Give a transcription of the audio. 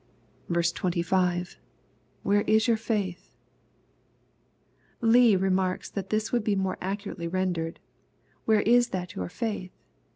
25. — [Where is yovr faUhT] Leigh remarks that this would be more accurately rendered " Where is that your faith